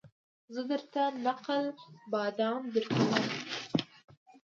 زه درته نقل بادام درکوم